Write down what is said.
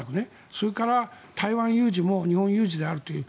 それから台湾有事も日本有事であるという。